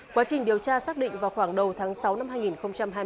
quá trình điều tra xác định vào khoảng đầu tháng sáu năm hai nghìn hai mươi ba